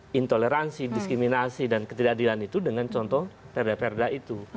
intoleransi diskriminasi dan ketidakadilan itu dengan contoh perda perda itu